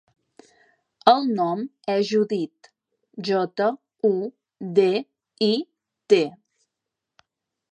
El nom és Judit: jota, u, de, i, te.